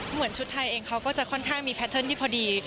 เหมือนชุดไทยเองเขาก็จะค่อนข้างมีแพทเทิร์นที่พอดี